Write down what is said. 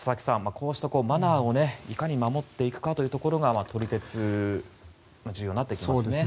こうしたマナーをいかに守っていくかというところが撮り鉄、重要になってきますね。